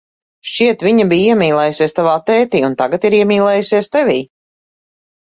Šķiet, viņa bija iemīlējusies tavā tētī un tagad ir iemīlējusies tevī.